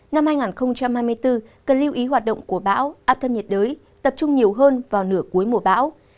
năm hai nghìn hai mươi bốn cần lưu ý hoạt động của bão áp thấp nhiệt đới tập trung nhiều hơn vào nửa cuối mùa bão